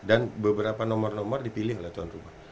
dan beberapa nomor nomor dipilih oleh tuan rumah